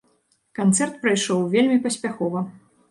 Канцэрт прайшоў вельмі паспяхова.